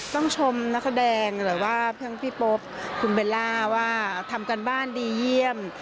ต้องชมนักแสดงหรือว่าทั้งพี่โป๊ปคุณเบลล่าว่าทำการบ้านดีเยี่ยม